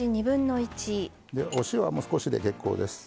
でお塩は少しで結構です。